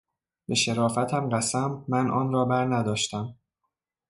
به شرافتم قسم من آن را برنداشتم.